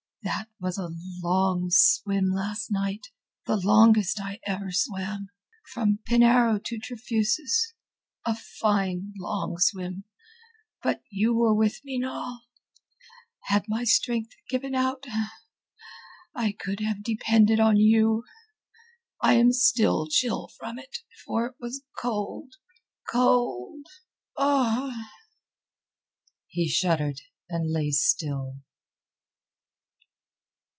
"That was a long swim last night—the longest I ever swam. From Penarrow to Trefusis—a fine long swim. But you were with me, Noll. Had my strength given out...I could have depended on you. I am still chill from it, for it was cold... cold... ugh!" He shuddered, and lay still.